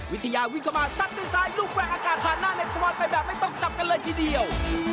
วิทยาวิ่งเข้ามาซัดด้วยซ้ายลูกแรงอากาศผ่านหน้าเนธวันไปแบบไม่ต้องจับกันเลยทีเดียว